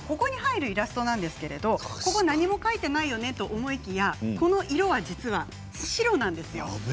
「？」に入るイラストですが何も書いていないよねと思いきや色は、実は白なんですよ。